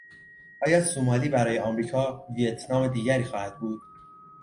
آیا سومالی برای امریکا ویتنام دیگری خواهد بود؟